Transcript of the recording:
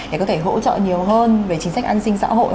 để có thể hỗ trợ nhiều hơn về chính sách an sinh xã hội